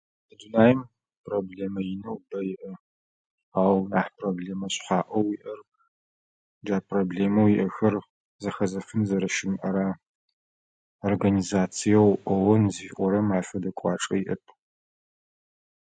Дунаем проблэмэ инэу бэу иӏэ. Ау нахь проблэмэ шъхьаӏэу иӏэр, джа проблэмэу иӏэхэр зэхэзыфын зэрэщымыӏэрэ организациеу «пӏун» зыфиӏорэм афэдэ кӏуачӏэ иӏэп.